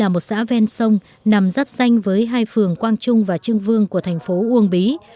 một xã ven sông nằm giáp xanh với hai phường quang trung và trương vương của thành phố uông bí